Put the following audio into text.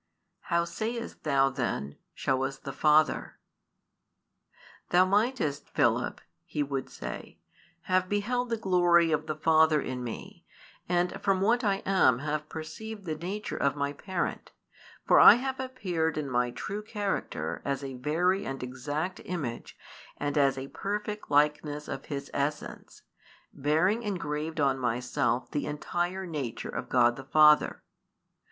How sayest thou then, Shew us the Father? "Thou mightest, Philip," He would say, "have beheld the glory of the Father in Me, and from what I am have perceived the nature of My Parent: for I have appeared in My true character as a Very and Exact Image and as a Perfect Likeness of His essence, bearing engraved on Myself the entire nature of God the Father.